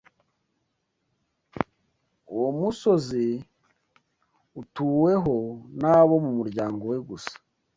’uwo musozi utuweho nabo mumuryango we gusa